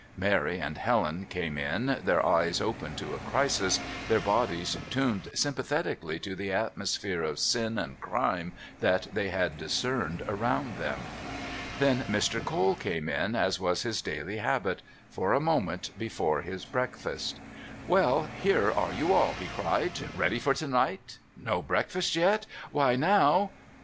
Mary and Helen came in, their eyes open to a crisis, their bodies tuned sympathetically to the atmosphere of sin and crime that they discerned around them. Then Mr. Cole came in as was his daily habit for a moment before his breakfast. "Well, here are you all," he cried. "Ready for to night? No breakfast yet? Why, now...?"